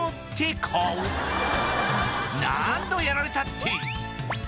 顔何度やられたって